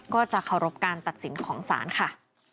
ก็จะเคารพการตัดสินของศาลค่ะ